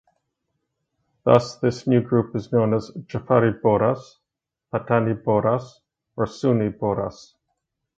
Thus this new group is known as Jafari Bohras, Patani Bohras or Sunni Bohras.